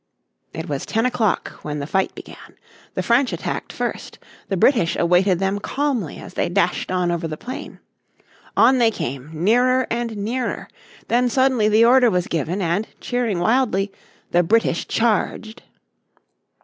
It was ten o'clock when the fight began. The French attacked first. The British awaited them calmly as they dashed on over the plain. On they came nearer and nearer. Then suddenly the order was given, and , cheering wildly, the British charged.